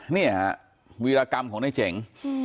นี่วีรกรรมของนายเจ๋ง